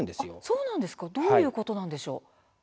そうなんですかどういうことなんでしょうか。